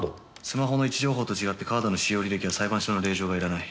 スマホの位置情報と違ってカードの使用履歴は裁判所の令状がいらない。